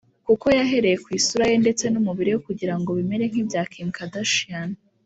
kuko yahere ku isura ye ndetse n’umubiri we kugira ngo bimere nkibya Kim Kardashian